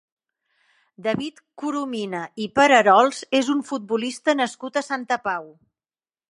David Coromina i Pararols és un futbolista nascut a Santa Pau.